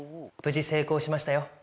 無事成功しましたよ。